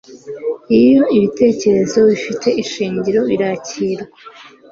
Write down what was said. iyo ibyo bitekerezo bifite ishingiro birakirwa